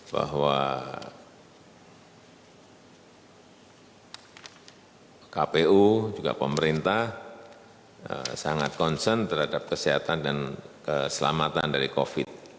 bahwa kpu juga pemerintah